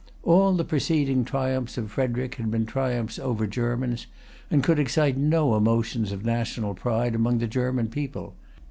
All the preceding triumphs of Frederic had been triumphs over Germans, and could excite no emotions of national pride among the German people.